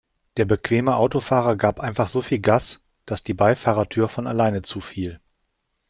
Der bequeme Autofahrer gab einfach so viel Gas, dass die Beifahrertür von alleine zufiel.